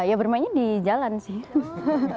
ya bermainnya di jalan sih